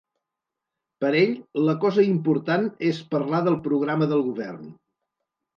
Per ell, la cosa important és parlar del programa del govern.